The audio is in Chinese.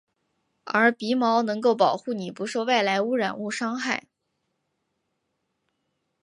而鼻毛能够保护你不受外来污染物伤害。